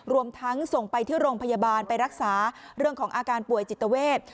รวมทั้งส่งไปที่โรงพยาบาลไปรักษาเรื่องของอาการป่วยจิตเวท